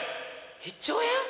１兆円！？